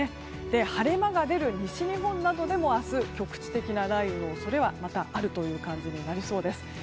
晴れ間が出る西日本などでも明日、局地的な雷雨の恐れがまたあるという感じになりそうです。